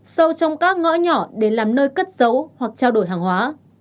sâu trong các ngõ nhỏ để làm nơi cất giấu hoặc trao đổi hàng hóa